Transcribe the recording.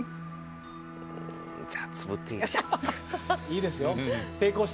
じゃあつぶっていいです。